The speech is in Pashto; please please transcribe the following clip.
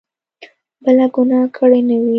بله ګناه کړې نه وي.